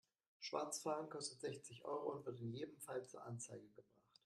Schwarzfahren kostet sechzig Euro und wird in jedem Fall zur Anzeige gebracht.